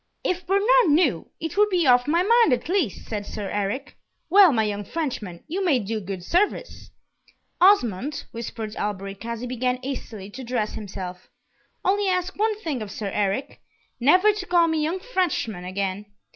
"If Bernard knew, it would be off my mind, at least!" said Sir Eric. "Well, my young Frenchman, you may do good service." "Osmond," whispered Alberic, as he began hastily to dress himself, "only ask one thing of Sir Eric never to call me young Frenchman again!"